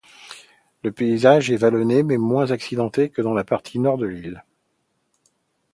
Le paysage est vallonné mais moins accidenté que dans la partie nord de l'île.